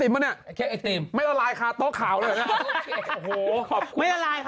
ไม่ละลายค่ะโต๊ะขาวเลย